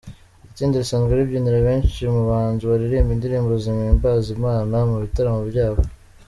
Iri tsinda risanzwe ribyinira benshi mu bahanzi baririmba indirimbo zimimbaza Imana mu bitaramo byabo.